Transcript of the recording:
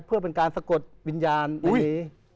เพื่อเป็นการสะกดวิญญาณในนี้